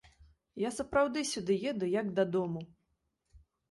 Я сапраўды сюды еду як дадому.